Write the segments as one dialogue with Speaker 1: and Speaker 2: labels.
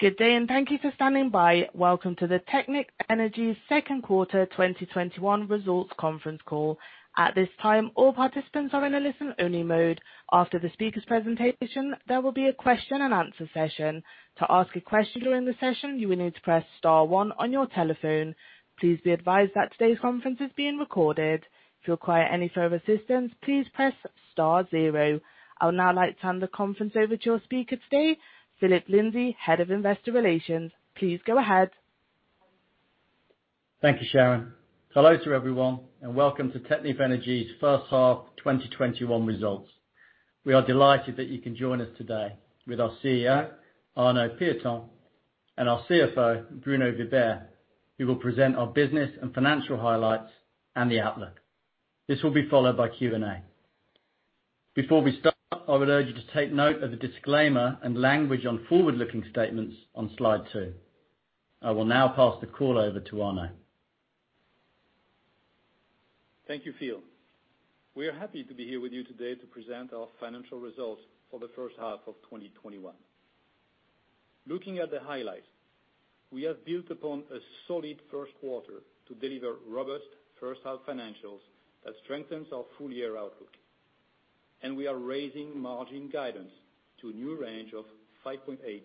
Speaker 1: I'll now like to hand the conference over to your speaker today, Phillip Lindsay, Head of Investor Relations. Please go ahead.
Speaker 2: Thank you, Sharon. Hello to everyone. Welcome to Technip Energies' First Half 2021 Results. We are delighted that you can join us today with our CEO, Arnaud Pieton, and our CFO, Bruno Vibert, who will present our business and financial highlights and the outlook. This will be followed by Q&A. Before we start, I would urge you to take note of the disclaimer and language on forward-looking statements on slide two. I will now pass the call over to Arnaud.
Speaker 3: Thank you, Phil. We are happy to be here with you today to present our financial results for the first half of 2021. Looking at the highlights, we have built upon a solid first quarter to deliver robust first half financials that strengthens our full-year outlook. We are raising margin guidance to a new range of 5.8%-6.2%.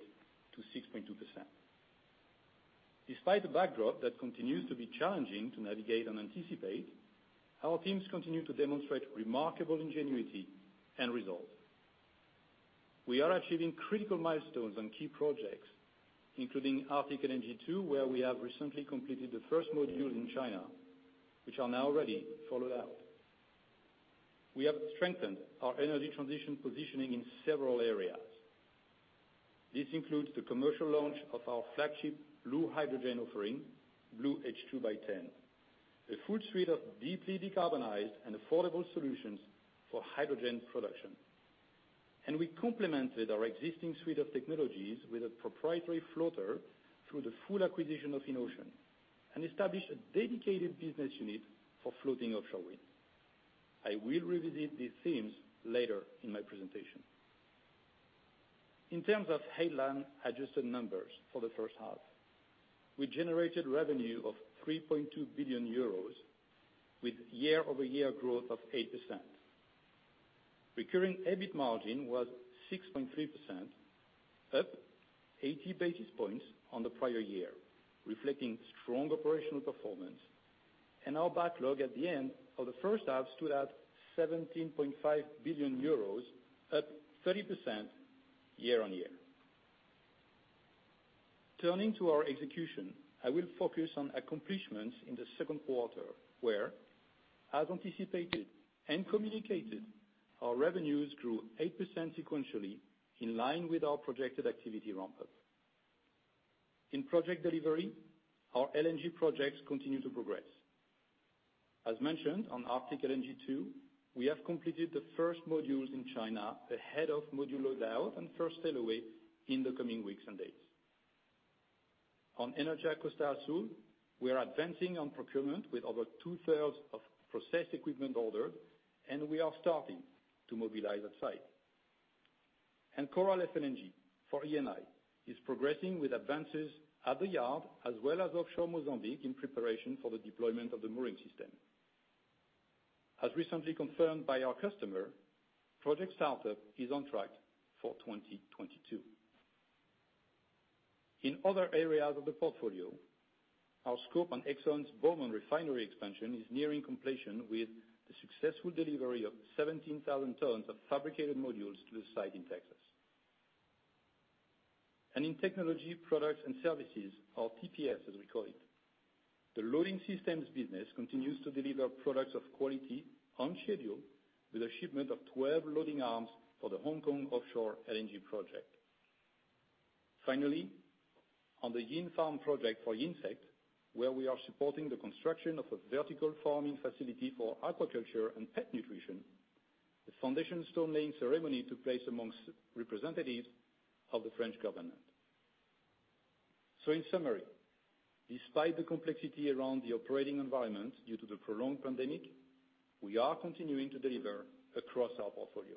Speaker 3: Despite the backdrop that continues to be challenging to navigate and anticipate, our teams continue to demonstrate remarkable ingenuity and resolve. We are achieving critical milestones on key projects, including Arctic LNG 2, where we have recently completed the first module in China, which are now ready for rollout. We have strengthened our energy transition positioning in several areas. This includes the commercial launch of our flagship blue hydrogen offering, BlueH2 by T.EN, a full suite of deeply decarbonized and affordable solutions for hydrogen production. We complemented our existing suite of technologies with a proprietary floater through the full acquisition of Inocean, and established a dedicated business unit for floating offshore wind. I will revisit these themes later in my presentation. In terms of headline adjusted numbers for the first half, we generated revenue of 3.2 billion euros with year-over-year growth of 8%. Recurring EBIT margin was 6.3%, up 80 basis points on the prior year, reflecting strong operational performance and our backlog at the end of the first half stood at 17.5 billion euros, up 30% year-on-year. Turning to our execution, I will focus on accomplishments in the second quarter, where, as anticipated and communicated, our revenues grew 8% sequentially in line with our projected activity ramp-up. In project delivery, our LNG projects continue to progress. As mentioned on Arctic LNG 2, we have completed the first modules in China ahead of module loadout and first sail away in the coming weeks and days. On Energía Costa Azul, we are advancing on procurement with over two-thirds of process equipment ordered, and we are starting to mobilize at site. Coral FLNG for Eni is progressing with advances at the yard as well as offshore Mozambique in preparation for the deployment of the mooring system. As recently confirmed by our customer, project startup is on track for 2022. In other areas of the portfolio, our scope on Exxon's Beaumont refinery expansion is nearing completion with the successful delivery of 17,000 tons of fabricated modules to the site in Texas. In technology, products and services or TPS, as we call it, the loading systems business continues to deliver products of quality on schedule with a shipment of 12 loading arms for the Hong Kong offshore LNG project. Finally, on the ŸnFarm project for Ÿnsect, where we are supporting the construction of a vertical farming facility for aquaculture and pet nutrition, the foundation stone-laying ceremony took place amongst representatives of the French government. In summary, despite the complexity around the operating environment due to the prolonged pandemic, we are continuing to deliver across our portfolio.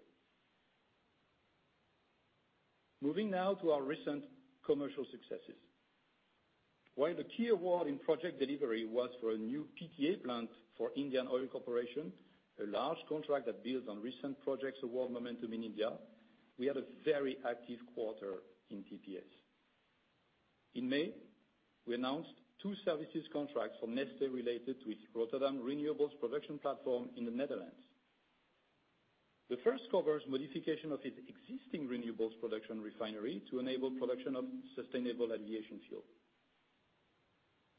Speaker 3: Moving now to our recent commercial successes. While the key award in project delivery was for a new PTA plant for Indian Oil Corporation, a large contract that builds on recent projects award momentum in India, we had a very active quarter in TPS. In May, we announced two services contracts from Neste related to its Rotterdam renewables production platform in the Netherlands. The first covers modification of its existing renewables production refinery to enable production of sustainable aviation fuel.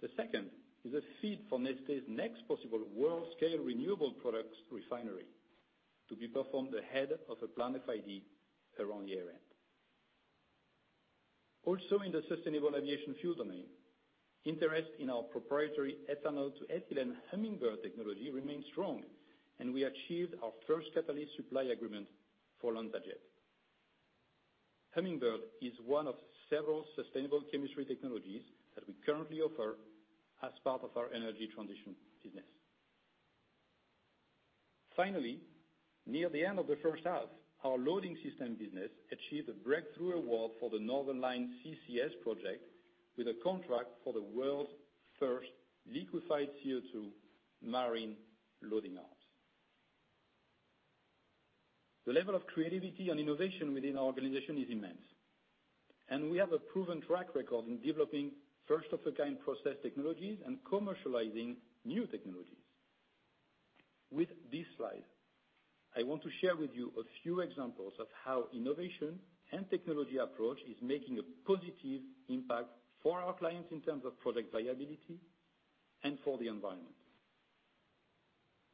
Speaker 3: The second is a FEED for Neste's next possible world-scale renewable products refinery to be performed ahead of a planned FID around year-end. In the sustainable aviation fuel domain, interest in our proprietary ethanol to ethylene Hummingbird technology remains strong, and we achieved our first catalyst supply agreement for LanzaJet. Hummingbird is one of several sustainable chemistry technologies that we currently offer as part of our energy transition business. Near the end of the first half, our loading system business achieved a breakthrough award for the Northern Lights CCS project with a contract for the world's first liquefied CO2 marine loading arms. The level of creativity and innovation within our organization is immense, and we have a proven track record in developing first-of-the-kind process technologies and commercializing new technologies. With this slide, I want to share with you a few examples of how innovation and technology approach is making a positive impact for our clients in terms of product viability and for the environment.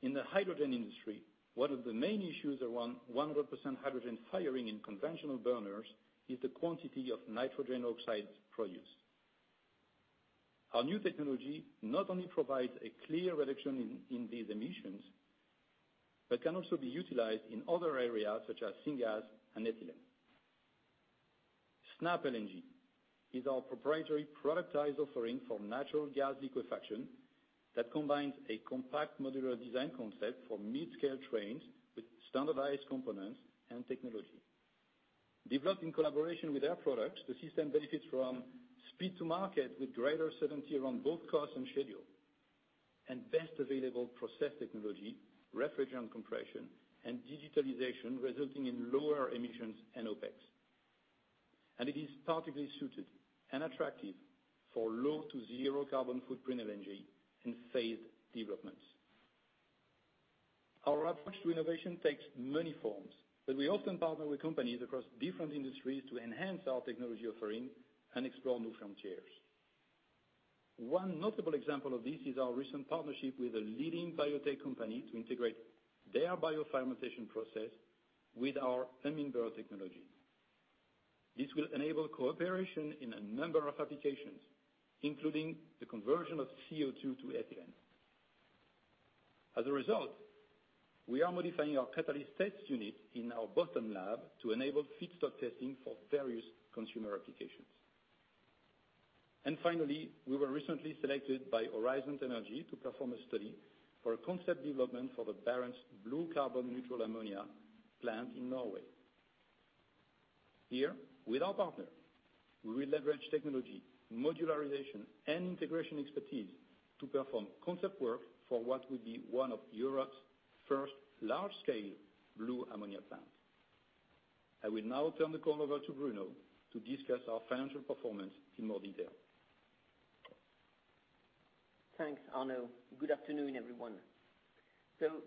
Speaker 3: In the hydrogen industry, one of the main issues around 100% hydrogen firing in conventional burners is the quantity of nitrogen oxide produced. Our new technology not only provides a clear reduction in these emissions, but can also be utilized in other areas such as syngas and ethylene. SnapLNG is our proprietary productized offering for natural gas liquefaction that combines a compact modular design concept for mid-scale trains with standardized components and technology. Developed in collaboration with Air Products, the system benefits from speed to market with greater certainty around both cost and schedule, and best available process technology, refrigerant compression, and digitalization, resulting in lower emissions and OPEX. It is particularly suited and attractive for low to zero carbon footprint LNG in phased developments. Our approach to innovation takes many forms, but we often partner with companies across different industries to enhance our technology offering and explore new frontiers. One notable example of this is our recent partnership with a leading biotech company to integrate their bio fermentation process with our Hummingbird technology. This will enable cooperation in a number of applications, including the conversion of CO2 to ethylene. As a result, we are modifying our catalyst test unit in our Boston lab to enable feedstock testing for various consumer applications. Finally, we were recently selected by Horisont Energi to perform a study for a concept development for the Barents Blue carbon-neutral ammonia plant in Norway. Here, with our partner, we leverage technology, modularization, and integration expertise to perform concept work for what will be one of Europe's first large-scale blue ammonia plants. I will now turn the call over to Bruno to discuss our financial performance in more detail.
Speaker 4: Thanks, Arnaud. Good afternoon, everyone.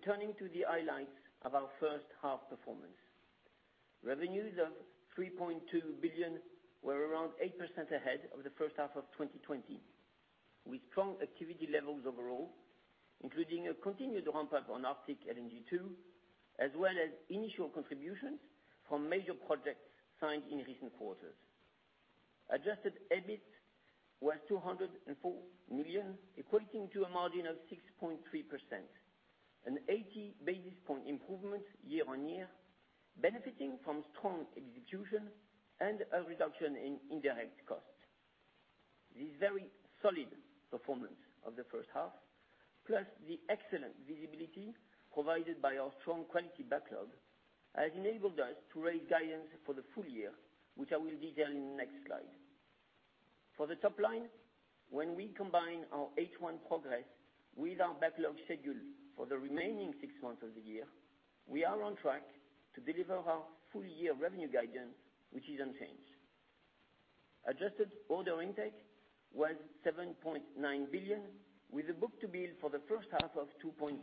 Speaker 4: Turning to the highlights of our first half performance. Revenues of 3.2 billion were around 8% ahead of the first half of 2020, with strong activity levels overall, including a continued ramp-up on Arctic LNG 2, as well as initial contributions from major projects signed in recent quarters. Adjusted EBIT was 204 million, equating to a margin of 6.3%, an 80 basis point improvement year-on-year, benefiting from strong execution and a reduction in indirect costs. This very solid performance of the first half, plus the excellent visibility provided by our strong quality backlog, has enabled us to raise guidance for the full year, which I will detail in the next slide. For the top line, when we combine our H1 progress with our backlog schedule for the remaining six months of the year, we are on track to deliver our full year revenue guidance, which is unchanged. Adjusted order intake was 7.9 billion, with a book to bill for the first half of 2.4,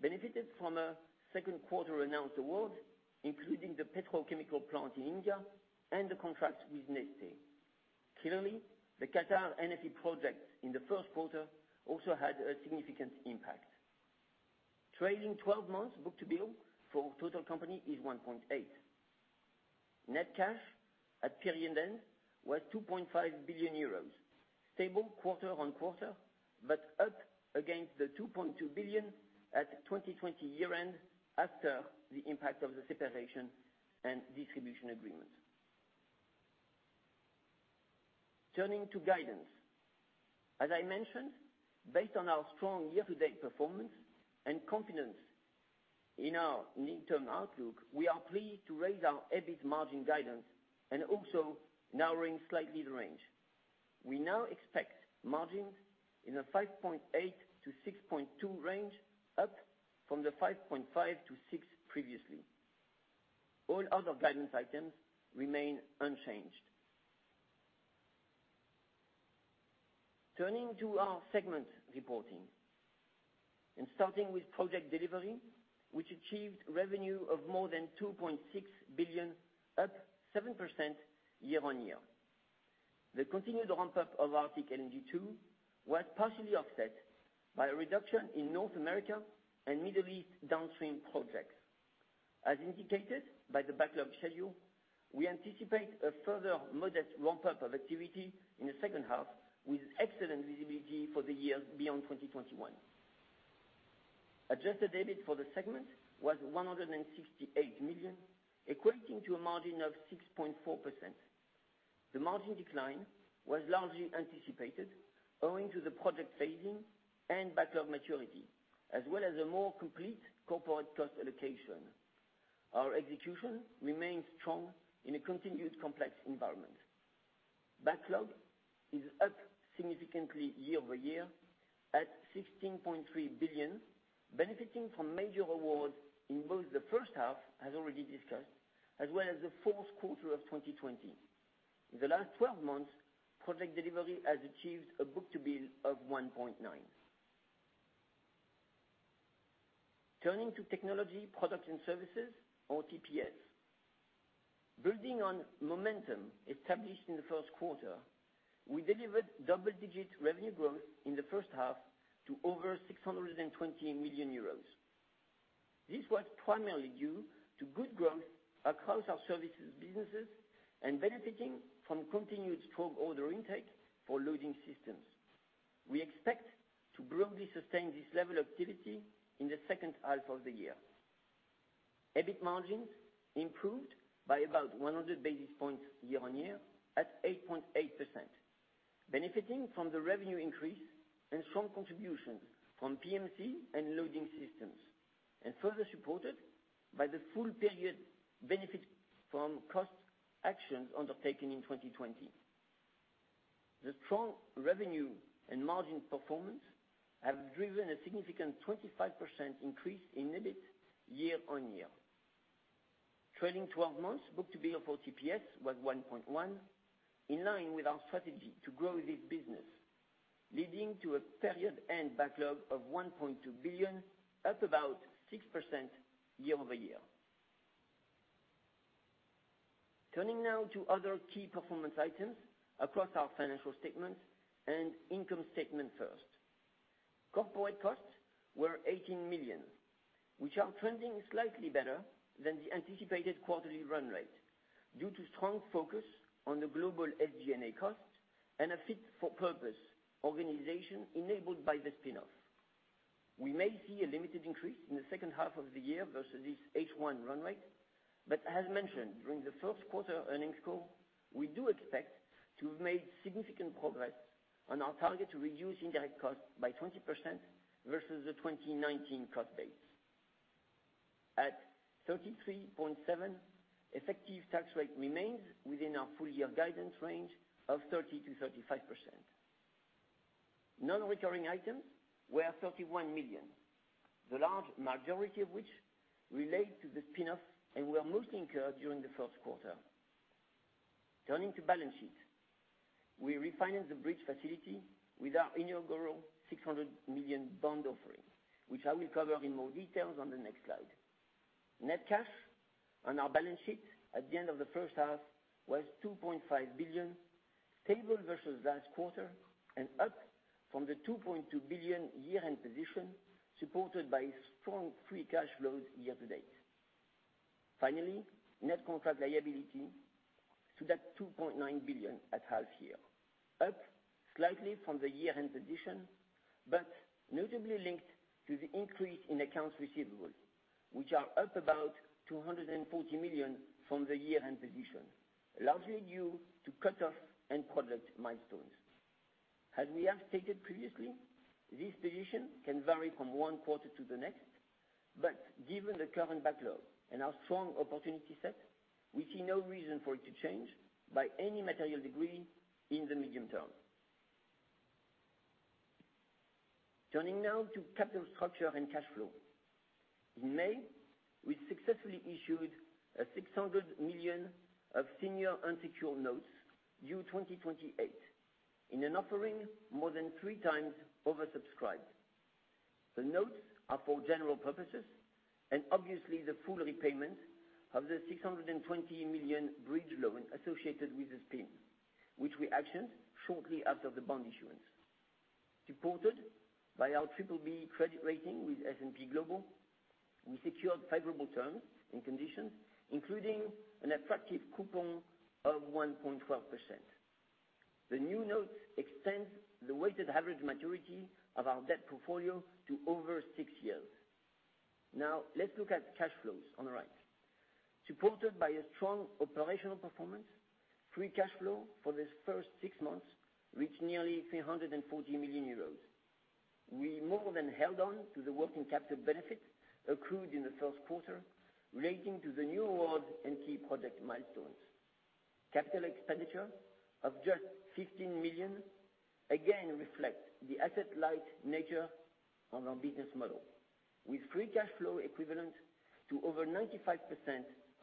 Speaker 4: benefited from a second quarter announced award, including the petrochemical plant in India and the contract with Neste. Clearly, the Qatar NFE project in the first quarter also had a significant impact. Trailing 12 months book to bill for total company is 1.8. Net cash at period end was 2.5 billion euros, stable quarter-on-quarter, but up against 2.2 billion at 2020 year-end after the impact of the separation and distribution agreement. Turning to guidance. As I mentioned, based on our strong year-to-date performance and confidence in our midterm outlook, we are pleased to raise our EBIT margin guidance and also narrowing slightly the range. We now expect margins in the 5.8%-6.2% range, up from the 5.5%-6% previously. All other guidance items remain unchanged. Turning to our segment reporting, starting with Project Delivery, which achieved revenue of more than 2.6 billion, up 7% year-on-year. The continued ramp-up of Arctic LNG 2 was partially offset by a reduction in North America and Middle East downstream projects. As indicated by the backlog schedule, we anticipate a further modest ramp-up of activity in the second half, with excellent visibility for the years beyond 2021. Adjusted EBIT for the segment was 168 million, equating to a margin of 6.4%. The margin decline was largely anticipated owing to the project phasing and backlog maturity, as well as a more complete corporate cost allocation. Our execution remains strong in a continued complex environment. Backlog is up significantly year-over-year at 16.3 billion, benefiting from major awards in both the first half, as already discussed, as well as the fourth quarter of 2020. In the last 12 months, project delivery has achieved a book-to-bill of 1.9. Turning to Technology, Products and Services, or TPS. Building on momentum established in the first quarter, we delivered double-digit revenue growth in the first half to over 620 million euros. This was primarily due to good growth across our services businesses and benefiting from continued strong order intake for loading systems. We expect to broadly sustain this level of activity in the second half of the year. EBIT margins improved by about 100 basis points year-on-year at 8.8%, benefiting from the revenue increase and strong contributions from PMC and loading systems, and further supported by the full-period benefit from cost actions undertaken in 2020. The strong revenue and margin performance have driven a significant 25% increase in EBIT year-on-year. Trailing 12 months book-to-bill for TPS was 1.1, in line with our strategy to grow this business, leading to a period end backlog of 1.2 billion, up about 6% year-over-year. Turning now to other key performance items across our financial statement and income statement first. Corporate costs were 18 million, which are trending slightly better than the anticipated quarterly run rate due to strong focus on the global SG&A cost and a fit-for-purpose organization enabled by the spin-off. As mentioned during the first quarter earnings call, we do expect to have made significant progress on our target to reduce indirect costs by 20% versus the 2019 cost base. At 33.7%, effective tax rate remains within our full-year guidance range of 30%-35%. Non-recurring items were 31 million, the large majority of which relate to the spin-off and were mostly incurred during the first quarter. Turning to balance sheet. We refinanced the bridge facility with our inaugural 600 million bond offering, which I will cover in more details on the next slide. Net cash on our balance sheet at the end of the first half was 2.5 billion, stable versus last quarter and up from the 2.2 billion year-end position, supported by strong free cash flows year to date. Finally, net contract liability stood at 2.9 billion at half year, up slightly from the year-end position, but notably linked to the increase in accounts receivable, which are up about 240 million from the year-end position, largely due to cut-offs and project milestones. As we have stated previously, this position can vary from one quarter to the next, but given the current backlog and our strong opportunity set, we see no reason for it to change by any material degree in the medium term. Turning now to capital structure and cash flow. In May, we successfully issued a 600 million of senior unsecured notes due 2028 in an offering more than three times oversubscribed. The notes are for general purposes and obviously the full repayment of the 620 million bridge loan associated with the spin, which we actioned shortly after the bond issuance. Supported by our BBB credit rating with S&P Global, we secured favorable terms and conditions, including an attractive coupon of 1.12%. The new notes extend the weighted average maturity of our debt portfolio to over six years. Now, let's look at cash flows on the right. Supported by a strong operational performance, free cash flow for this first six months reached nearly 340 million euros. We more than held on to the working capital benefit accrued in the first quarter relating to the new award and key project milestones. Capital expenditure of just 15 million again reflect the asset-light nature of our business model. With free cash flow equivalent to over 95%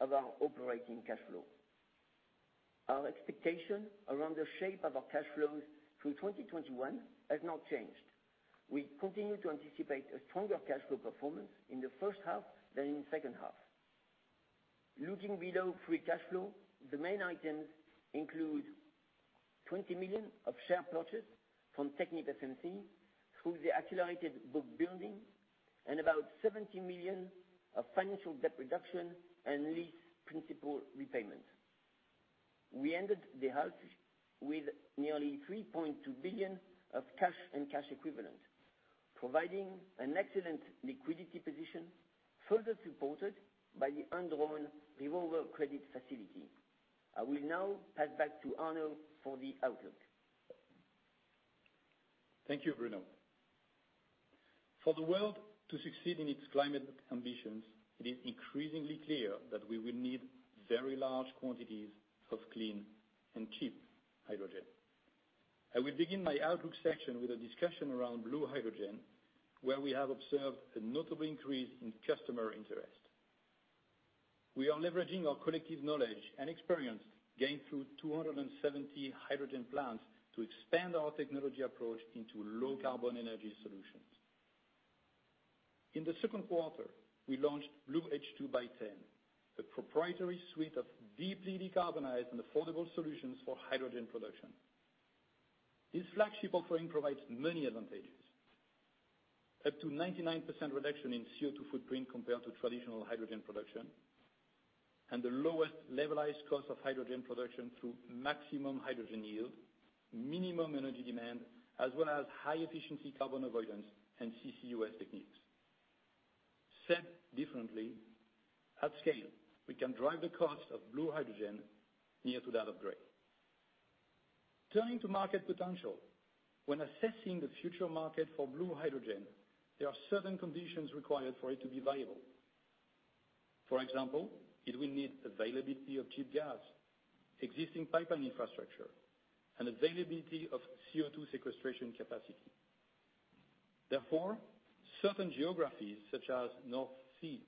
Speaker 4: of our operating cash flow. Our expectation around the shape of our cash flows through 2021 has not changed. We continue to anticipate a stronger cash flow performance in the first half than in the second half. Looking below free cash flow, the main items include 20 million of share purchase from TechnipFMC through the accelerated book building and about 70 million of financial debt reduction and lease principal repayment. We ended the half with nearly 3.2 billion of cash and cash equivalent. Providing an excellent liquidity position, further supported by the undrawn revolver credit facility. I will now pass back to Arnaud for the outlook.
Speaker 3: Thank you, Bruno. For the world to succeed in its climate ambitions, it is increasingly clear that we will need very large quantities of clean and cheap hydrogen. I will begin my outlook section with a discussion around blue hydrogen, where we have observed a notable increase in customer interest. We are leveraging our collective knowledge and experience gained through 270 hydrogen plants to expand our technology approach into low carbon energy solutions. In the second quarter, we launched BlueH2 by T.EN, a proprietary suite of deeply decarbonized and affordable solutions for hydrogen production. This flagship offering provides many advantages. Up to 99% reduction in CO2 footprint compared to traditional hydrogen production, and the lowest levelized cost of hydrogen production through maximum hydrogen yield, minimum energy demand, as well as high efficiency carbon avoidance and CCUS techniques. Said differently, at scale, we can drive the cost of blue hydrogen near to that of gray. Turning to market potential. When assessing the future market for blue hydrogen, there are certain conditions required for it to be viable. For example, it will need availability of cheap gas, existing pipeline infrastructure, and availability of CO2 sequestration capacity. Therefore, certain geographies such as North Sea,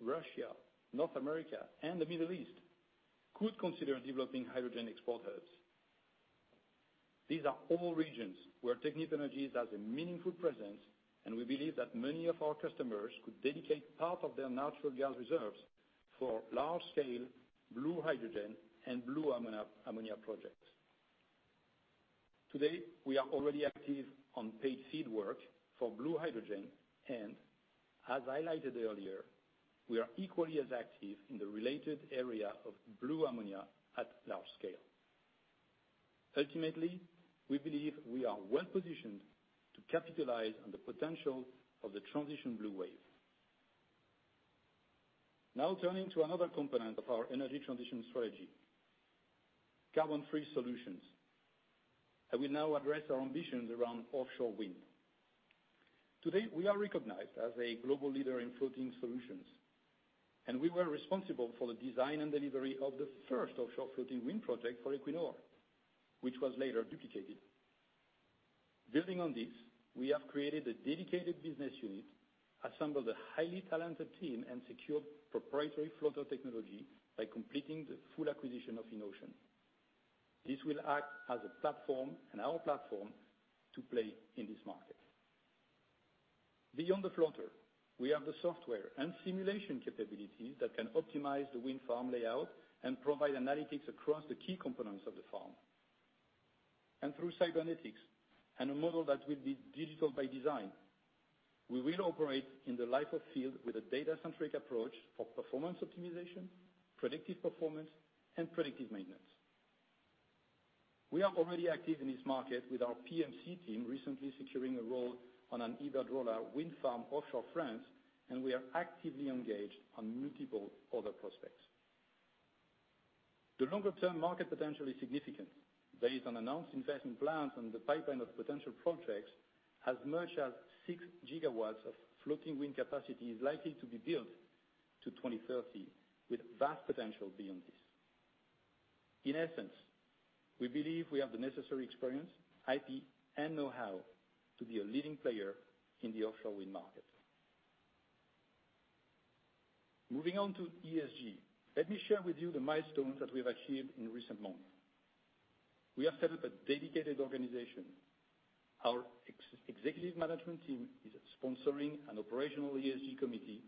Speaker 3: Russia, North America, and the Middle East could consider developing hydrogen export hubs. These are all regions where Technip Energies has a meaningful presence, and we believe that many of our customers could dedicate part of their natural gas reserves for large scale blue hydrogen and blue ammonia projects. Today, we are already active on paid FEED work for blue hydrogen, and as highlighted earlier, we are equally as active in the related area of blue ammonia at large scale. Ultimately, we believe we are well positioned to capitalize on the potential of the transition blue wave. Now turning to another component of our energy transition strategy, carbon-free solutions. I will now address our ambitions around offshore wind. Today, we are recognized as a global leader in floating solutions, and we were responsible for the design and delivery of the first offshore floating wind project for Equinor, which was later duplicated. Building on this, we have created a dedicated business unit, assembled a highly talented team, and secured proprietary floater technology by completing the full acquisition of Inocean. This will act as a platform and our platform to play in this market. Beyond the floater, we have the software and simulation capabilities that can optimize the wind farm layout and provide analytics across the key components of the farm. Through Cybernetix and a model that will be digital by design, we will operate in the life of field with a data-centric approach for performance optimization, predictive performance, and predictive maintenance. We are already active in this market with our PMC team recently securing a role on an Iberdrola wind farm offshore France, and we are actively engaged on multiple other prospects. The longer-term market potential is significant. Based on announced investment plans and the pipeline of potential projects, as much as 6 GW of floating wind capacity is likely to be built to 2030, with vast potential beyond this. In essence, we believe we have the necessary experience, IP, and know-how to be a leading player in the offshore wind market. Moving on to ESG. Let me share with you the milestones that we have achieved in recent months. We have set up a dedicated organization. Our executive management team is sponsoring an operational ESG committee,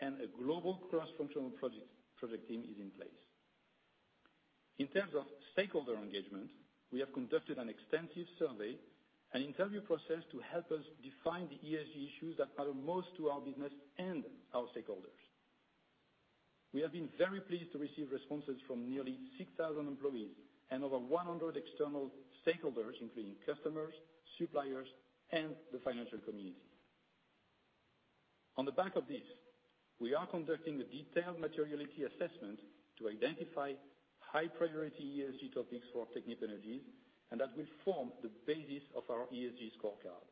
Speaker 3: and a global cross-functional project team is in place. In terms of stakeholder engagement, we have conducted an extensive survey and interview process to help us define the ESG issues that matter most to our business and our stakeholders. We have been very pleased to receive responses from nearly 6,000 employees and over 100 external stakeholders, including customers, suppliers, and the financial community. On the back of this, we are conducting a detailed materiality assessment to identify high priority ESG topics for Technip Energies, and that will form the basis of our ESG scorecard.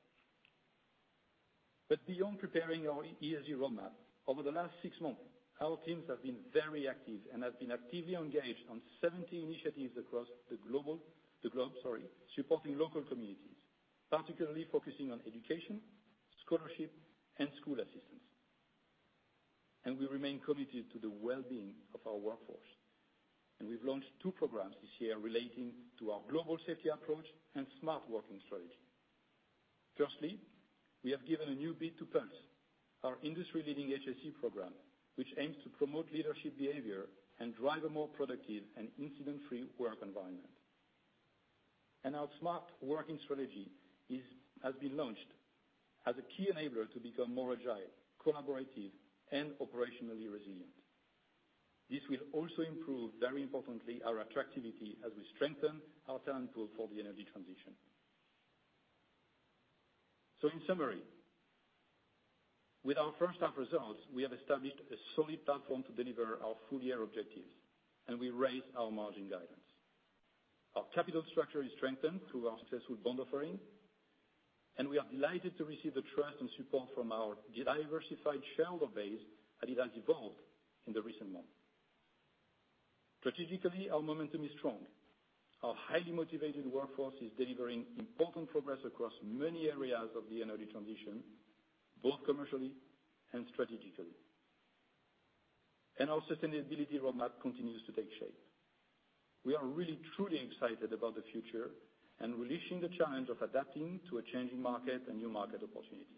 Speaker 3: Beyond preparing our ESG roadmap, over the last six months, our teams have been very active and have been actively engaged on 70 initiatives across the globe, supporting local communities, particularly focusing on education, scholarship, and school assistance. We remain committed to the well-being of our workforce. We've launched two programs this year relating to our global safety approach and smart working strategy. Firstly, we have given a new beat to Pulse, our industry-leading HSE program, which aims to promote leadership behavior and drive a more productive and incident-free work environment. Our smart working strategy has been launched as a key enabler to become more agile, collaborative, and operationally resilient. This will also improve, very importantly, our attractivity as we strengthen our talent pool for the energy transition. In summary, with our first half results, we have established a solid platform to deliver our full-year objectives. We raise our margin guidance. Our capital structure is strengthened through our successful bond offering. We are delighted to receive the trust and support from our diversified shareholder base that it has evolved in the recent months. Strategically, our momentum is strong. Our highly motivated workforce is delivering important progress across many areas of the energy transition, both commercially and strategically. Our sustainability roadmap continues to take shape. We are really truly excited about the future and relishing the challenge of adapting to a changing market and new market opportunities.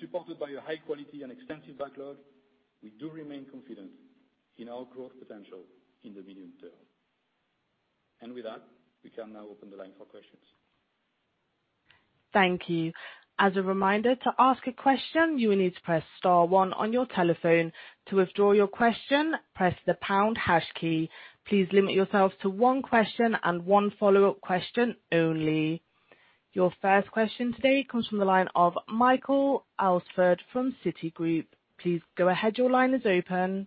Speaker 3: Supported by a high quality and extensive backlog, we do remain confident in our growth potential in the medium term. With that, we can now open the line for questions.
Speaker 1: Thank you. As a reminder, to ask a question, you will need to press star one on your telephone. To withdraw your question, press the pound hash key. Please limit yourselves to one question and one follow-up question only. Your first question today comes from the line of Michael Alsford from Citigroup. Please go ahead. Your line is open.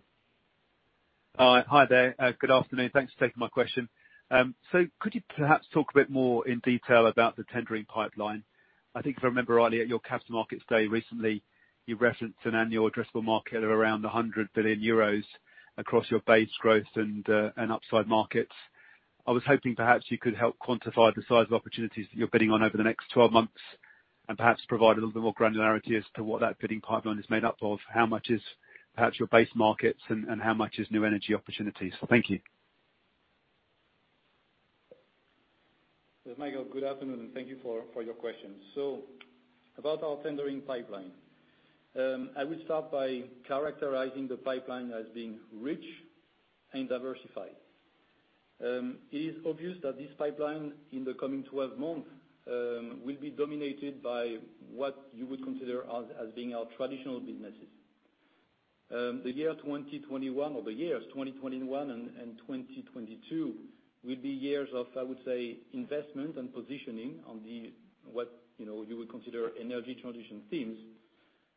Speaker 5: Hi there. Good afternoon. Thanks for taking my question. Could you perhaps talk a bit more in detail about the tendering pipeline? I think if I remember rightly, at your Capital Markets Day recently, you referenced an annual addressable market of around 100 billion euros across your base growth and upside markets. I was hoping perhaps you could help quantify the size of opportunities that you're bidding on over the next 12 months, and perhaps provide a little bit more granularity as to what that bidding pipeline is made up of. How much is perhaps your base markets, and how much is new energy opportunities? Thank you.
Speaker 3: Michael, good afternoon. Thank you for your question. About our tendering pipeline. I will start by characterizing the pipeline as being rich and diversified. It is obvious that this pipeline in the coming 12 months will be dominated by what you would consider as being our traditional businesses. The year 2021, or the years 2021 and 2022 will be years of, I would say, investment and positioning on what you would consider energy transition themes,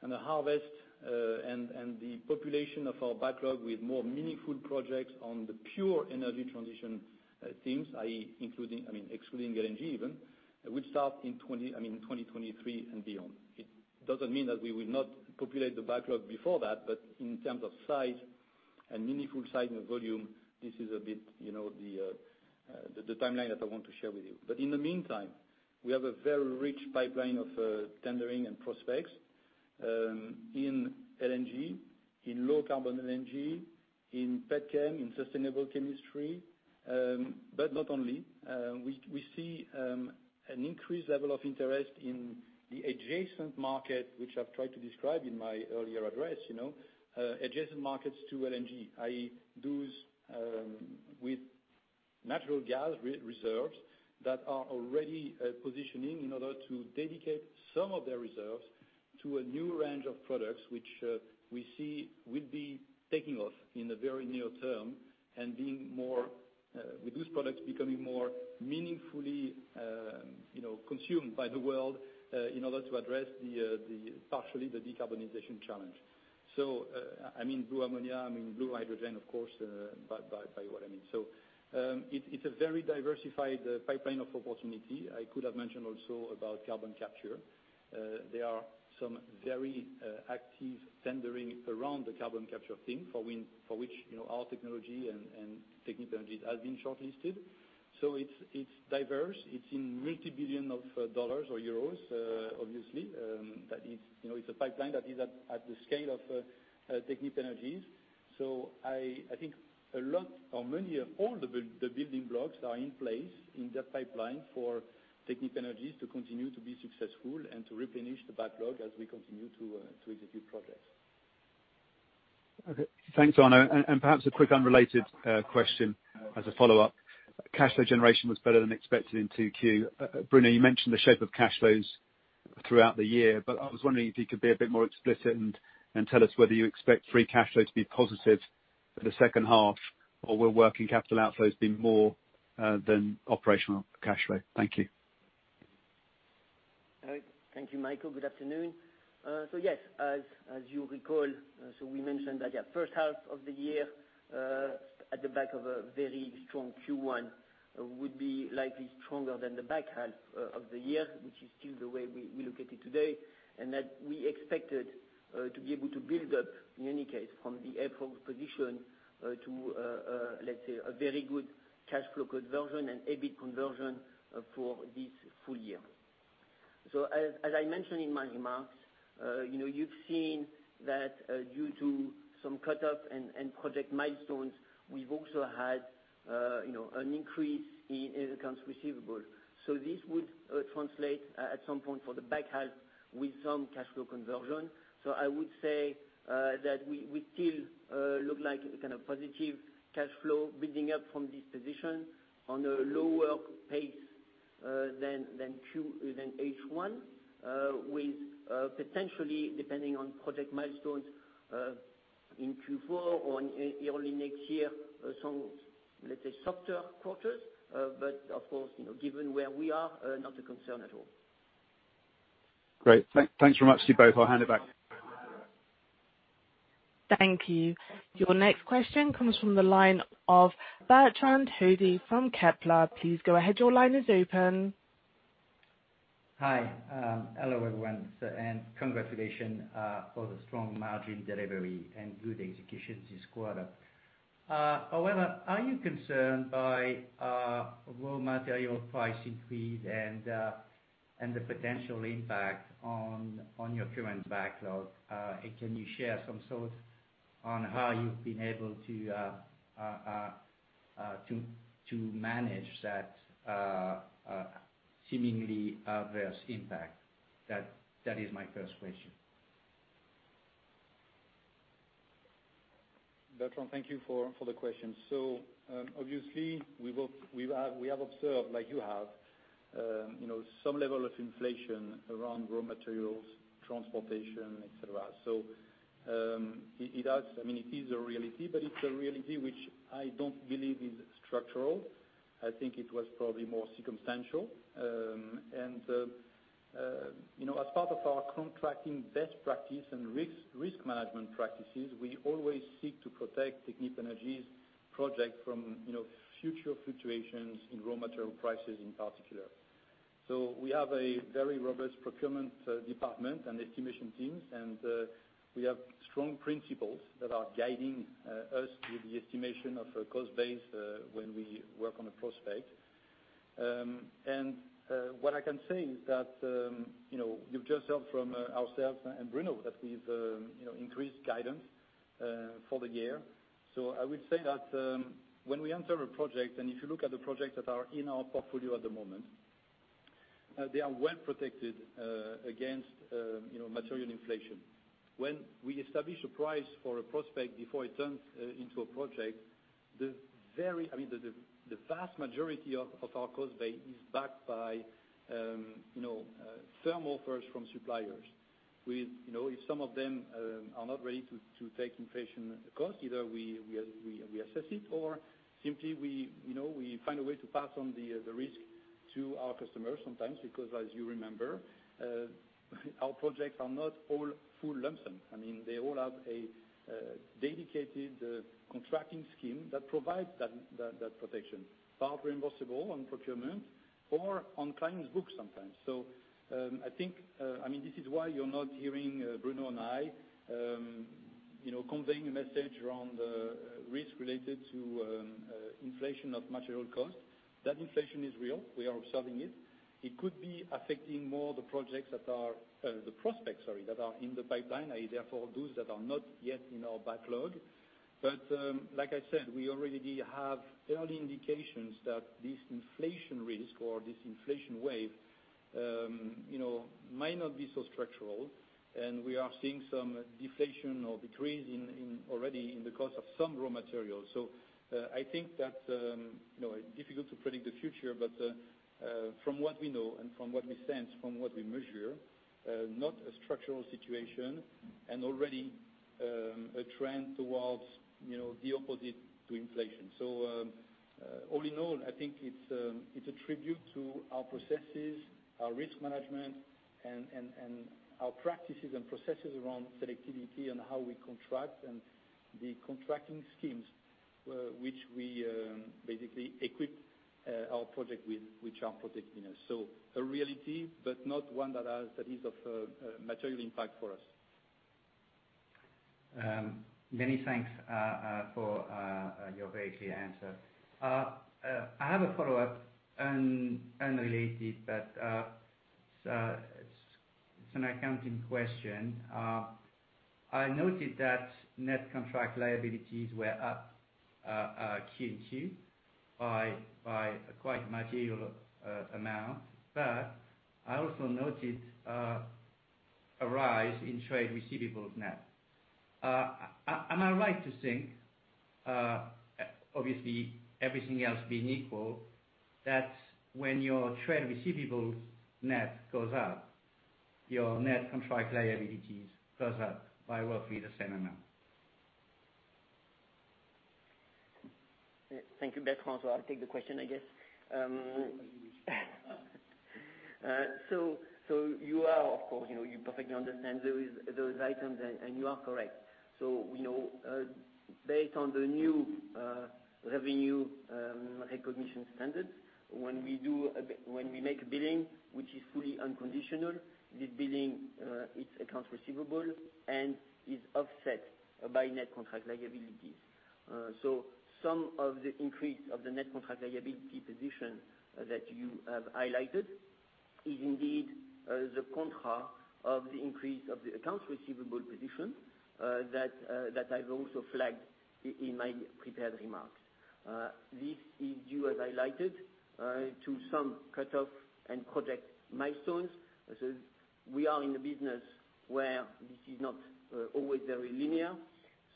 Speaker 3: and the harvest and the population of our backlog with more meaningful projects on the pure energy transition themes, excluding LNG even, will start in 2023 and beyond. It doesn't mean that we will not populate the backlog before that, but in terms of size and meaningful size and volume, this is a bit the timeline that I want to share with you. In the meantime, we have a very rich pipeline of tendering and prospects in LNG, in low carbon LNG, in petchem, in sustainable chemistry. Not only. We see an increased level of interest in the adjacent market, which I've tried to describe in my earlier address. Adjacent markets to LNG, i.e., those with natural gas reserves that are already positioning in order to dedicate some of their reserves to a new range of products, which we see will be taking off in the very near term and with these products becoming more meaningfully consumed by the world in order to address partially the decarbonization challenge. I mean blue ammonia, I mean blue hydrogen, of course, by what I mean. It's a very diversified pipeline of opportunity. I could have mentioned also about carbon capture. There are some very active tendering around the carbon capture thing for which our technology and Technip Energies has been shortlisted. It's diverse. It's in multi-billion of dollars or euros, obviously. It's a pipeline that is at the scale of Technip Energies. I think all the building blocks are in place in that pipeline for Technip Energies to continue to be successful and to replenish the backlog as we continue to execute projects.
Speaker 5: Okay. Thanks, Arnaud. Perhaps a quick unrelated question as a follow-up. Cash flow generation was better than expected in 2Q. Bruno, you mentioned the shape of cash flows throughout the year, but I was wondering if you could be a bit more explicit and tell us whether you expect free cash flow to be positive for the second half, or will working capital outflows be more than operational cash flow? Thank you.
Speaker 4: Thank you, Michael. Good afternoon. Yes, as you recall, so we mentioned that first half of the year, at the back of a very strong Q1, would be likely stronger than the back half of the year, which is still the way we look at it today. That we expected to be able to build up, in any case, from the April position, to let's say, a very good cash flow conversion and EBIT conversion for this full year. As I mentioned in my remarks, you've seen that due to some cut-off and project milestones, we've also had an increase in accounts receivable. This would translate at some point for the back half with some cash flow conversion. I would say that we still look like kind of positive cash flow building up from this position on a lower pace than H1, with potentially, depending on project milestones, in Q4 or early next year, so, let's say, softer quarters. Of course, given where we are, not a concern at all.
Speaker 5: Great. Thanks very much to you both. I'll hand it back.
Speaker 1: Thank you. Your next question comes from the line of Bertrand Hodée from Kepler. Please go ahead. Your line is open.
Speaker 6: Hi. Hello, everyone, congratulations for the strong margin delivery and good execution this quarter. Are you concerned by raw material price increase and the potential impact on your current backlog? Can you share some thoughts on how you've been able to manage that seemingly adverse impact? That is my first question.
Speaker 3: Bertrand, thank you for the question. Obviously we have observed, like you have, some level of inflation around raw materials, transportation, et cetera. It is a reality, but it's a reality which I don't believe is structural. I think it was probably more circumstantial. As part of our contracting best practice and risk management practices, we always seek to protect Technip Energies projects from future fluctuations in raw material prices in particular. We have a very robust procurement department and estimation teams, and we have strong principles that are guiding us with the estimation of cost base when we work on a prospect. What I can say is that, you've just heard from ourselves and Bruno that we've increased guidance for the year. I would say that when we enter a project, and if you look at the projects that are in our portfolio at the moment, they are well protected against material inflation. When we establish a price for a prospect before it turns into a project, the vast majority of our cost base is backed by firm offers from suppliers. If some of them are not ready to take inflation costs, either we assess it or simply we find a way to pass on the risk to our customers sometimes, because as you remember, our projects are not all full lump sum. They all have a dedicated contracting scheme that provides that protection, partly reimbursable on procurement or on client's books sometimes. This is why you're not hearing Bruno and I conveying a message around risk related to inflation of material cost. That inflation is real. We are observing it. It could be affecting more the projects that are, the prospects, sorry, that are in the pipeline and therefore those that are not yet in our backlog. Like I said, we already have early indications that this inflation risk or this inflation wave might not be so structural, and we are seeing some deflation or decrease already in the cost of some raw materials. I think that it's difficult to predict the future, but from what we know and from what we sense, from what we measure, not a structural situation and already a trend towards the opposite to inflation. All in all, I think it's a tribute to our processes, our risk management, and our practices and processes around selectivity on how we contract and the contracting schemes, which we basically equip our project with, which are protecting us. A reality, but not one that is of material impact for us.
Speaker 6: Many thanks for your very clear answer. I have a follow-up, unrelated, but it's an accounting question. I noted that net contract liabilities were up Q2 by a quite material amount, but I also noted a rise in trade receivables net. Am I right to think, obviously everything else being equal, that when your trade receivables net goes up, your net contract liabilities goes up by roughly the same amount?
Speaker 4: Thank you, Bertrand. I'll take the question, I guess. You are, of course, you perfectly understand those items, and you are correct. Based on the new revenue recognition standards, when we make a billing which is fully unconditional, this billing, it's accounts receivable and is offset by net contract liabilities. Some of the increase of the net contract liability position that you have highlighted is indeed the contra of the increase of the accounts receivable position that I've also flagged in my prepared remarks. This is due, as highlighted, to some cut-off and project milestones, as we are in a business where this is not always very linear.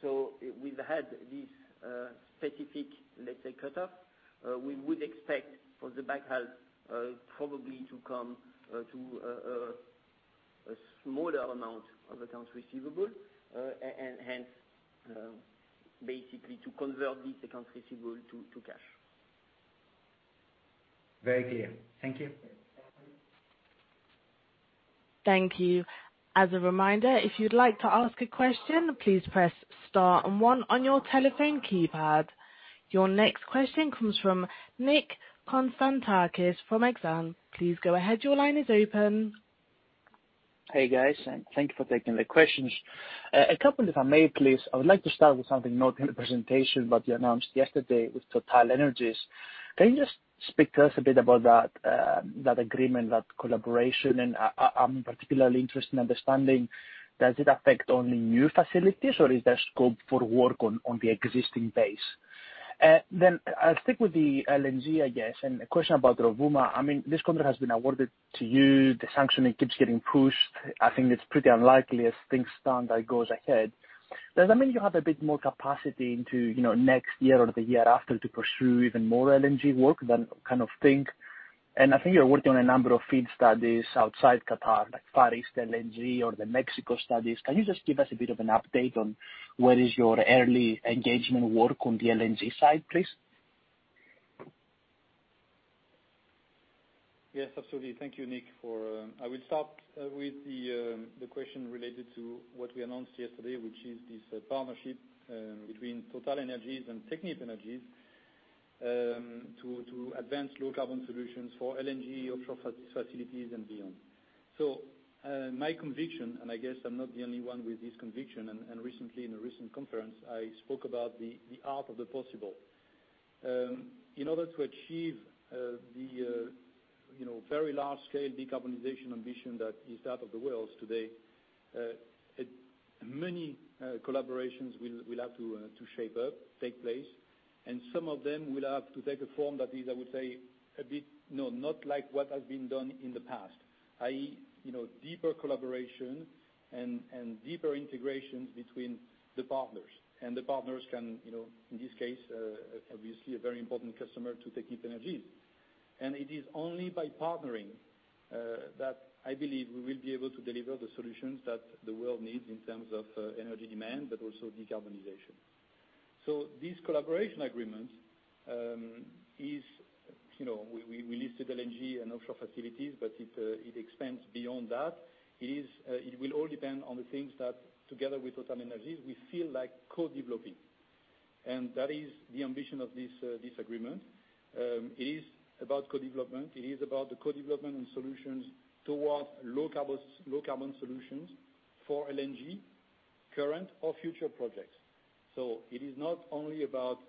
Speaker 4: We've had this specific, let's say, cut-off. We would expect for the back half probably to come to a smaller amount of accounts receivable, and hence, basically to convert these accounts receivable to cash.
Speaker 6: Very clear. Thank you.
Speaker 1: Thank you. As a reminder, if you'd like to ask a question, please press star and one on your telephone keypad. Your next question comes from Nick Konstantakis from Exane. Please go ahead. Your line is open.
Speaker 7: Hey, guys, thank you for taking the questions. A couple if I may, please. I would like to start with something not in the presentation, but you announced yesterday with TotalEnergies. Can you just speak to us a bit about that agreement, that collaboration? I'm particularly interested in understanding does it affect only new facilities, or is there scope for work on the existing base? I'll stick with the LNG, I guess, and a question about Rovuma. This contract has been awarded to you. The sanctioning keeps getting pushed. I think it's pretty unlikely as things stand that it goes ahead. Does that mean you have a bit more capacity into next year or the year after to pursue even more LNG work? I think you're working on a number of FEED studies outside Qatar, like Far East LNG or the Mexico studies. Can you just give us a bit of an update on where is your early engagement work on the LNG side, please?
Speaker 3: Yes, absolutely. Thank you, Nick. I will start with the question related to what we announced yesterday, which is this partnership between TotalEnergies and Technip Energies, to advance low carbon solutions for LNG offshore facilities and beyond. My conviction, and I guess I'm not the only one with this conviction, and recently in a recent conference, I spoke about the art of the possible. In order to achieve the very large-scale decarbonization ambition that is that of the world today, many collaborations will have to shape up, take place, and some of them will have to take a form that is, I would say, not like what has been done in the past, i.e., deeper collaboration and deeper integrations between the partners. The partners can, in this case, obviously a very important customer to Technip Energies. It is only by partnering that I believe we will be able to deliver the solutions that the world needs in terms of energy demand, but also decarbonization. These collaboration agreements, we listed LNG and offshore facilities, but it expands beyond that. It will all depend on the things that together with TotalEnergies, we feel like co-developing. That is the ambition of this agreement. It is about co-development. It is about the co-development and solutions towards low carbon solutions for LNG, current or future projects. It is not only about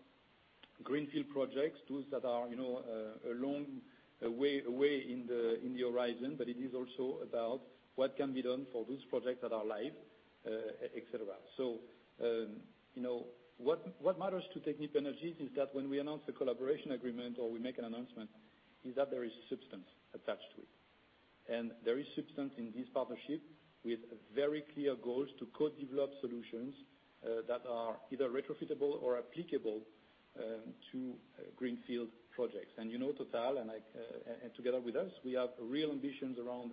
Speaker 3: greenfield projects, those that are a long way in the horizon, but it is also about what can be done for those projects that are live, et cetera. What matters to Technip Energies is that when we announce a collaboration agreement or we make an announcement, is that there is substance attached to it. There is substance in this partnership with very clear goals to co-develop solutions that are either retrofittable or applicable to greenfield projects. TotalEnergies and together with us, we have real ambitions around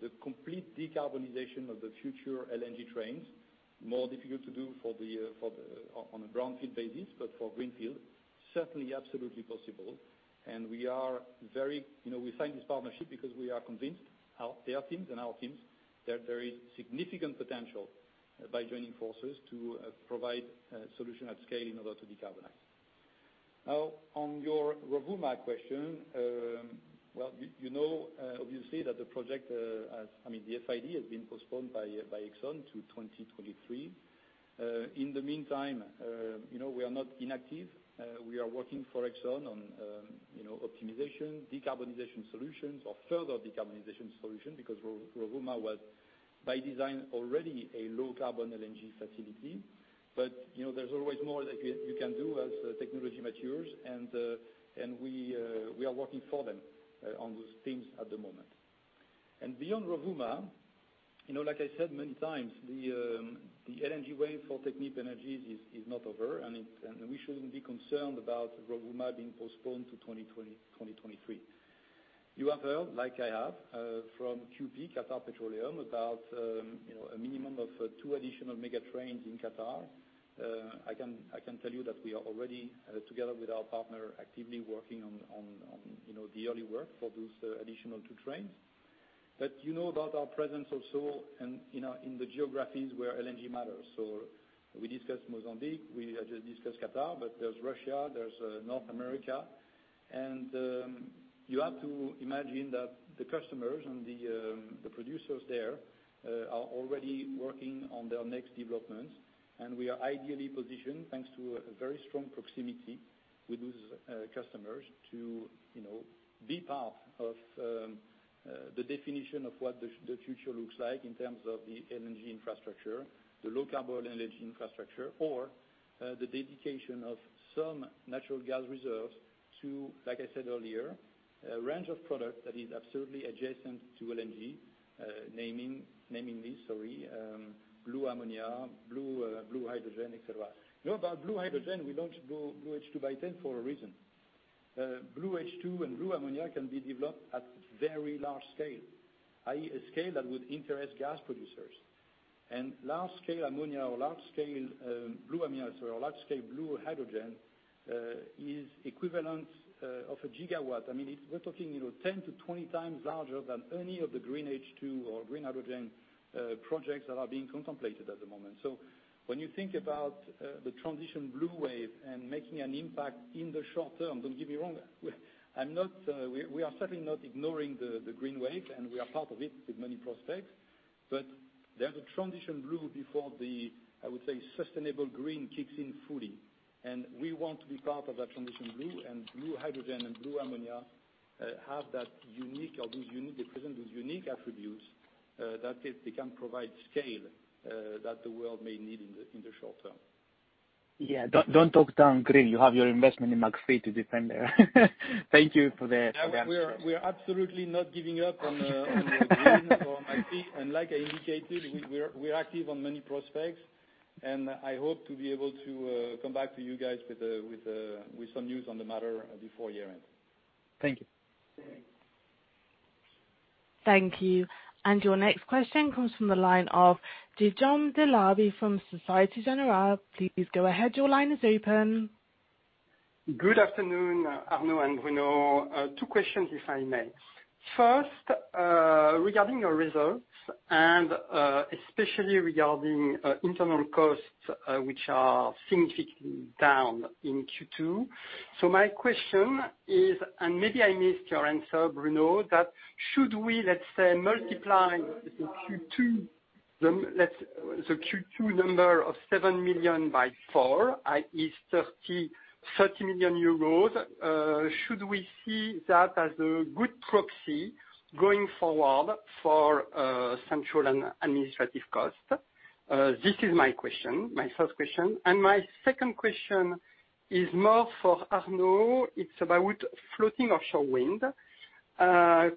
Speaker 3: the complete decarbonization of the future LNG trains. More difficult to do on a brownfield basis, but for greenfield, certainly absolutely possible. We signed this partnership because we are convinced their teams and our teams, there are very significant potential by joining forces to provide solution at scale in order to decarbonize. On your Rovuma question. You know obviously that the FID has been postponed by ExxonMobil to 2023. In the meantime, we are not inactive. We are working for ExxonMobil on optimization, decarbonization solutions or further decarbonization solution, because Rovuma was by design already a low carbon LNG facility. There's always more that you can do as technology matures, and we are working for them on those things at the moment. Beyond Rovuma, like I said many times, the LNG wave for Technip Energies is not over, and we shouldn't be concerned about Rovuma being postponed to 2023. You have heard, like I have, from QP, Qatar Petroleum, about a minimum of two additional mega trains in Qatar. I can tell you that we are already together with our partner, actively working on the early work for those additional two trains. You know about our presence also in the geographies where LNG matters. We discussed Mozambique, we just discussed Qatar, there's Russia, there's North America. You have to imagine that the customers and the producers there are already working on their next developments. We are ideally positioned, thanks to a very strong proximity with those customers, to be part of the definition of what the future looks like in terms of the LNG infrastructure, the low carbon LNG infrastructure or the dedication of some natural gas reserves to, like I said earlier, a range of products that is absolutely adjacent to LNG, naming these, blue ammonia, blue hydrogen, et cetera. About blue hydrogen, we don't do BlueH2 by T.EN for a reason. BlueH2 and Blue ammonia can be developed at very large scale, i.e., a scale that would interest gas producers. Large-scale ammonia or large-scale blue ammonia, or large-scale blue hydrogen, is equivalent of a gigawatt. We're talking 10 to 20 times larger than any of the Green H2 or green hydrogen projects that are being contemplated at the moment. When you think about the transition blue wave and making an impact in the short term, don't get me wrong, we are certainly not ignoring the green wave, and we are part of it with many prospects. There's a transition blue before the, I would say, sustainable green kicks in fully. We want to be part of that transition blue, and blue hydrogen and blue ammonia have that unique, or they present those unique attributes that they can provide scale that the world may need in the short term.
Speaker 7: Yeah. Don't talk down on green. You have your investment in McPhy to defend there. Thank you for the...
Speaker 3: We are absolutely not giving up on the green for McPhy, and like I indicated, we're active on many prospects, and I hope to be able to come back to you guys with some news on the matter before year-end.
Speaker 7: Thank you.
Speaker 1: Thank you. Your next question comes from the line of Guillaume Delaby from Societe Generale. Please go ahead.
Speaker 8: Good afternoon, Arnaud and Bruno. Two questions, if I may. First, regarding your results, and especially regarding internal costs, which are significantly down in Q2. My question is, and maybe I missed your answer, Bruno, that should we, let's say, multiply the Q2 number of 7 million by four, i.e., 30 million euros, should we see that as a good proxy going forward for central and administrative cost? This is my first question. My second question is more for Arnaud. It's about floating offshore wind.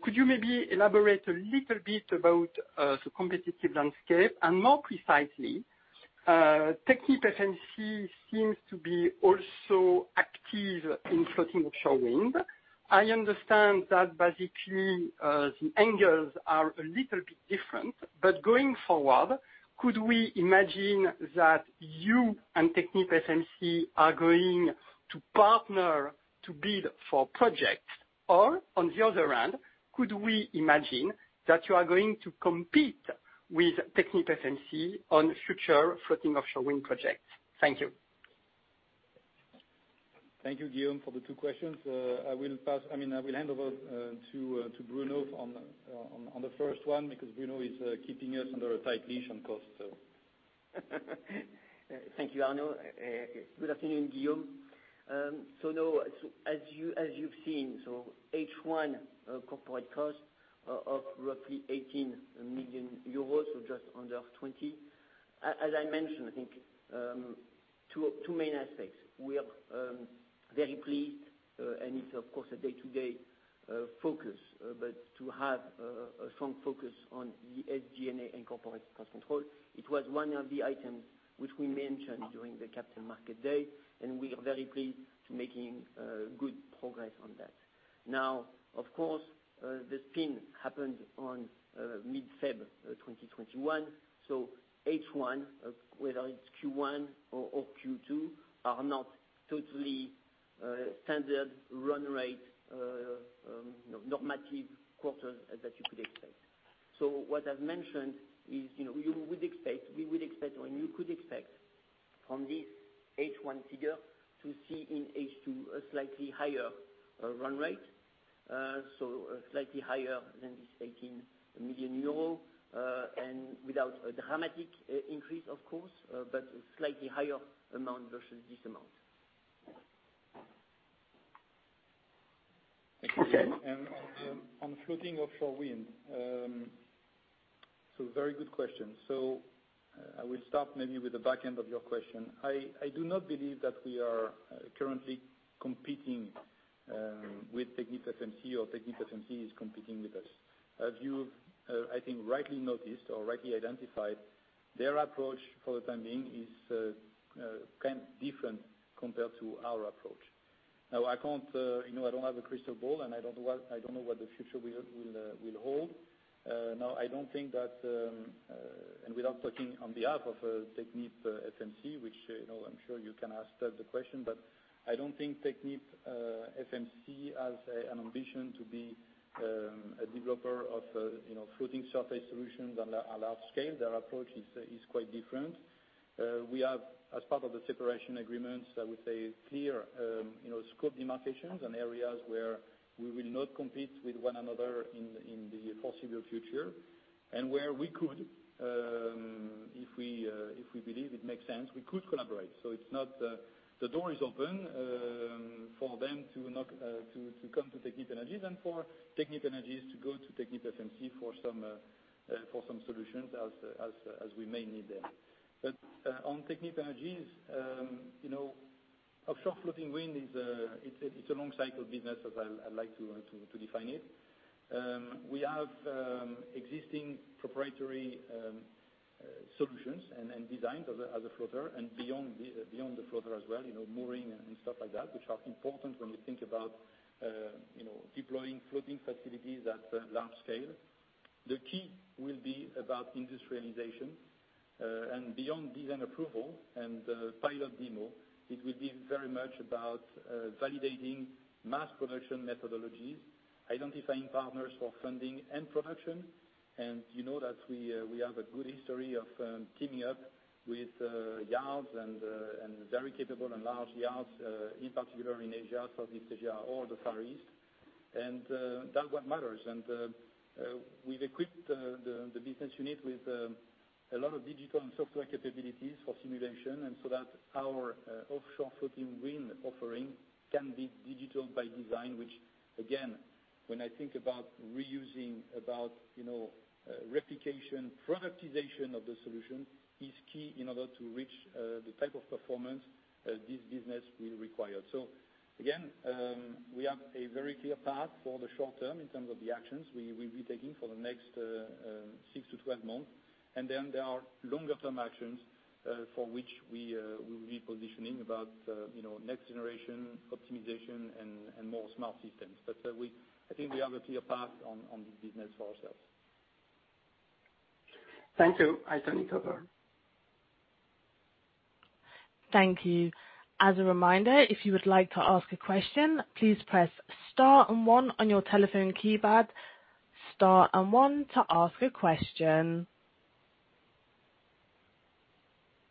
Speaker 8: Could you maybe elaborate a little bit about the competitive landscape? More precisely, TechnipFMC seems to be also active in floating offshore wind. I understand that basically, the angles are a little bit different, but going forward, could we imagine that you and TechnipFMC are going to partner to bid for projects? On the other hand, could we imagine that you are going to compete with TechnipFMC on future floating offshore wind projects? Thank you.
Speaker 3: Thank you, Guillaume, for the two questions. I will hand over to Bruno on the first one, because Bruno is keeping us under a tight leash on cost.
Speaker 4: Thank you, Arnaud. Good afternoon, Guillaume. No, as you've seen, H1 corporate cost of roughly 18 million euros, just under 20 million. As I mentioned, I think, two main aspects. We are very pleased, and it's of course, a day-to-day focus, but to have a strong focus on the SG&A and corporate cost control. It was one of the items which we mentioned during the capital market day, and we are very pleased to making good progress on that. Of course, the spin happened on mid-February 2021, H1, whether it's Q1 or Q2, are not totally standard run rate, normative quarters as that you could expect. What I've mentioned is we would expect, and you could expect from this H1 figure to see in H2 a slightly higher run rate. Slightly higher than this 18 million euro, without a dramatic increase, of course, but a slightly higher amount versus this amount.
Speaker 8: Thank you.
Speaker 3: On floating offshore wind. Very good question. I will start maybe with the back end of your question. I do not believe that we are currently competing with TechnipFMC or TechnipFMC is competing with us. As you've, I think, rightly noticed or rightly identified, their approach for the time being is kind of different compared to our approach. I don't have a crystal ball, and I don't know what the future will hold. I don't think that, and without talking on behalf of TechnipFMC, which I'm sure you can ask them the question, but I don't think TechnipFMC has an ambition to be a developer of floating surface solutions on a large scale. Their approach is quite different. We have, as part of the separation agreements, I would say clear scope demarcations and areas where we will not compete with one another in the foreseeable future. Where we could, if we believe it makes sense, we could collaborate. The door is open for them to come to Technip Energies and for Technip Energies to go to TechnipFMC for some solutions as we may need them. On Technip Energies-Offshore floating wind is a long cycle business, as I like to define it. We have existing proprietary solutions and designs as a floater and beyond the floater as well, mooring and stuff like that, which are important when we think about deploying floating facilities at large scale. The key will be about industrialization. Beyond design approval and pilot demo, it will be very much about validating mass production methodologies, identifying partners for funding and production. You know that we have a good history of teaming up with yards and very capable and large yards, in particular in Asia, Southeast Asia, or the Far East, and that's what matters. We've equipped the business unit with a lot of digital and software capabilities for simulation, so that our offshore floating wind offering can be digital by design, which again, when I think about reusing, about replication, productization of the solution, is key in order to reach the type of performance this business will require. Again, we have a very clear path for the short term in terms of the actions we will be taking for the next six to 12 months. There are longer term actions, for which we will be positioning about next generation optimization and more smart systems. I think we have a clear path on this business for ourselves.
Speaker 8: Thank you. I turn it over.
Speaker 1: Thank you. As a reminder, if you would like to ask a question, please press star and one on your telephone keypad. Star and one to ask a question.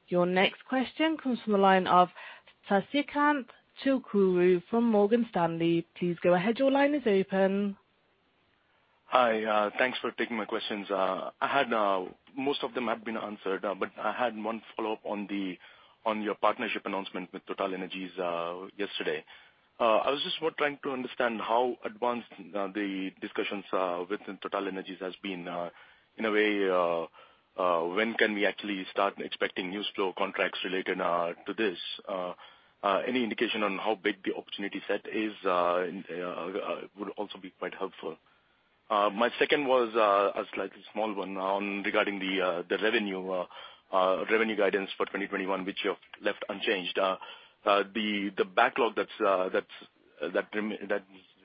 Speaker 1: Your next question comes from the line of Sasikanth Chilukuru from Morgan Stanley. Please go ahead. Your line is open.
Speaker 9: Hi. Thanks for taking my questions. Most of them have been answered, but I had one follow-up on your partnership announcement with TotalEnergies yesterday. I was just more trying to understand how advanced the discussions with TotalEnergies has been. In a way, when can we actually start expecting news flow contracts related to this? Any indication on how big the opportunity set is would also be quite helpful. My second was a slightly small one regarding the revenue guidance for 2021, which you have left unchanged. The backlog that's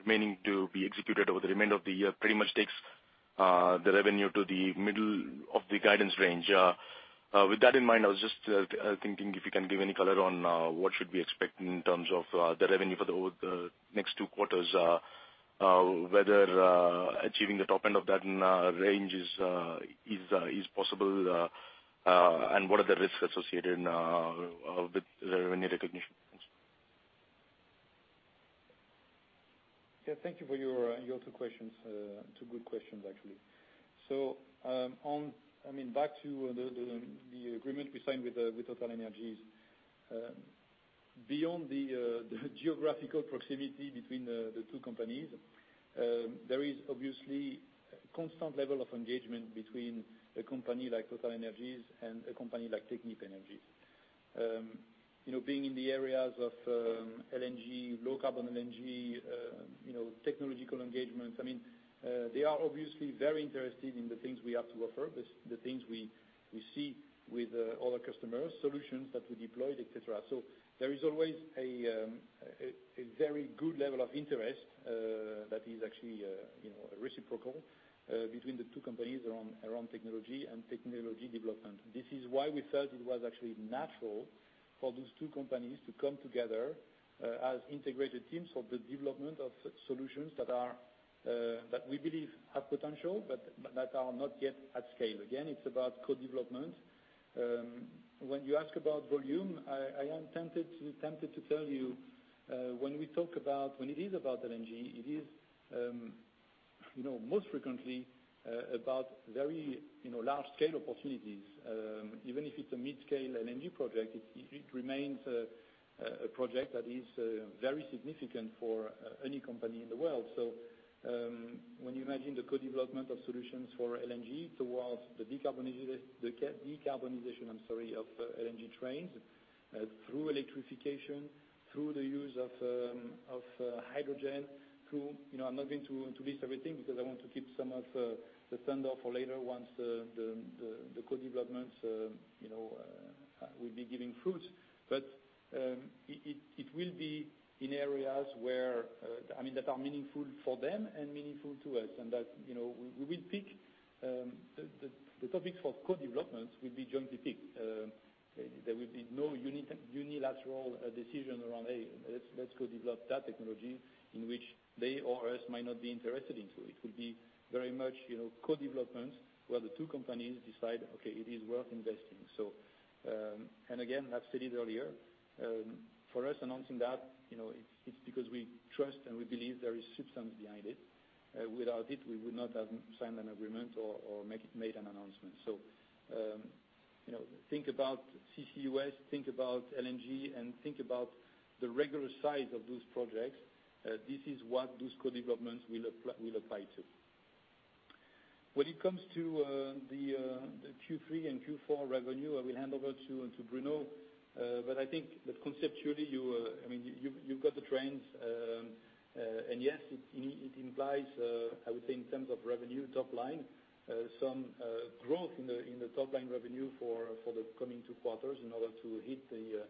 Speaker 9: remaining to be executed over the remainder of the year pretty much takes the revenue to the middle of the guidance range. With that in mind, I was just thinking if you can give any color on what should we expect in terms of the revenue for the next two quarters, whether achieving the top end of that range is possible, and what are the risks associated with the revenue recognition? Thanks.
Speaker 3: Yeah, thank you for your two questions. Two good questions, actually. Back to the agreement we signed with TotalEnergies. Beyond the geographical proximity between the two companies, there is obviously a constant level of engagement between a company like TotalEnergies and a company like Technip Energies. Being in the areas of LNG, low carbon LNG, technological engagement, they are obviously very interested in the things we have to offer, the things we see with other customers, solutions that we deployed, et cetera. There is always a very good level of interest that is actually reciprocal between the two companies around technology and technology development. This is why we felt it was actually natural for those two companies to come together as integrated teams for the development of solutions that we believe have potential, but that are not yet at scale. Again, it's about co-development. When you ask about volume, I am tempted to tell you, when it is about LNG, it is most frequently about very large-scale opportunities. Even if it's a mid-scale LNG project, it remains a project that is very significant for any company in the world. When you imagine the co-development of solutions for LNG towards the decarbonization of LNG trains through electrification, through the use of hydrogen. I'm not going to list everything because I want to keep some of the thunder for later once the co-developments will be giving fruits. It will be in areas that are meaningful for them and meaningful to us. The topics for co-development will be jointly picked. There will be no unilateral decision around, hey, let's co-develop that technology in which they or us might not be interested into. It will be very much co-development where the two companies decide, okay, it is worth investing. Again, I've said it earlier, for us announcing that, it's because we trust and we believe there is substance behind it. Without it, we would not have signed an agreement or made an announcement. Think about CCUS, think about LNG, and think about the regular size of those projects. This is what those co-developments will apply to. When it comes to the Q3 and Q4 revenue, I will hand over to Bruno. I think that conceptually, you've got the trends. Yes, it implies, I would say, in terms of revenue top line, some growth in the top-line revenue for the coming two quarters in order to hit the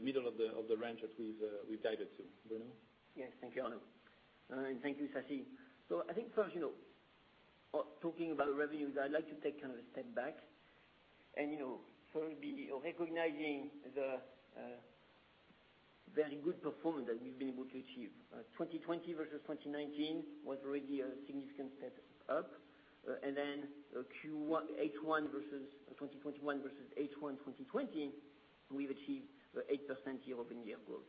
Speaker 3: middle of the range that we've guided to. Bruno?
Speaker 4: Yes. Thank you, Arnaud. Thank you, Sasik. I think first, talking about revenues, I'd like to take a step back and recognizing the very good performance that we've been able to achieve. 2020 versus 2019 was already a significant step up. Then, H1 2021 versus H1 2020, we've achieved 8% year-over-year growth.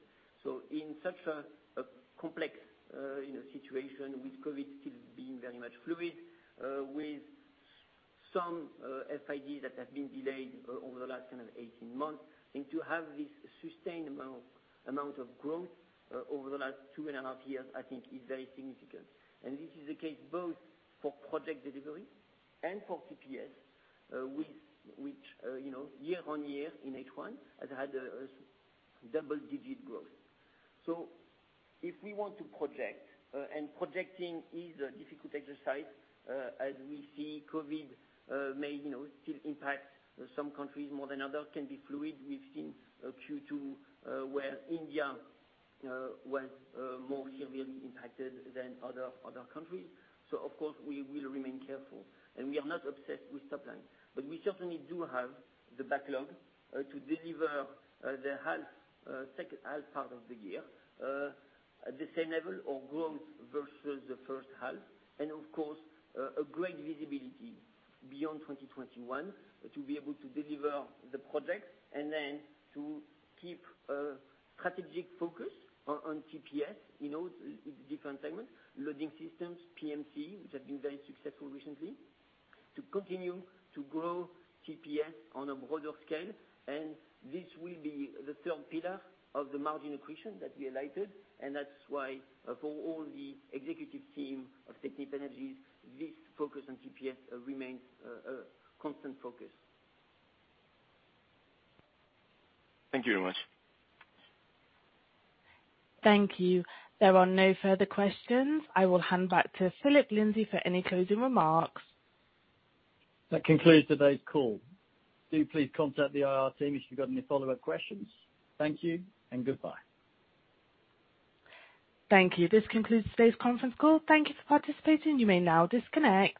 Speaker 4: In such a complex situation with COVID still being very much fluid, with some FIDs that have been delayed over the last 18 months, and to have this sustainable amount of growth over the last two and a half years, I think is very significant. This is the case both for project delivery and for TPS, which year on year in H1, has had a double-digit growth. If we want to project, and projecting is a difficult exercise, as we see COVID may still impact some countries more than others, can be fluid. We've seen Q2 where India was more severely impacted than other countries. Of course, we will remain careful. We are not obsessed with top line. But we certainly do have the backlog to deliver the second half part of the year at the same level or growth versus the first half. Of course, a great visibility beyond 2021 to be able to deliver the project and then to keep a strategic focus on TPS in all different segments, loading systems, PMC, which have been very successful recently. To continue to grow TPS on a broader scale, and this will be the third pillar of the margin accretion that we highlighted, and that's why for all the executive team of Technip Energies, this focus on TPS remains a constant focus.
Speaker 9: Thank you very much.
Speaker 1: Thank you. There are no further questions. I will hand back to Phillip Lindsay for any closing remarks.
Speaker 2: That concludes today's call. Do please contact the IR team if you've got any follow-up questions. Thank you and goodbye.
Speaker 1: Thank you. This concludes today's conference call. Thank you for participating. You may now disconnect.